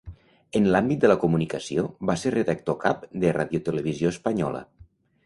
En l'àmbit de la comunicació, va ser redactor cap de Radiotelevisió Espanyola.